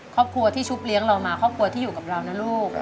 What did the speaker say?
ครอบครัวที่ชุบเลี้ยงเรามาครอบครัวที่อยู่กับเรานะลูก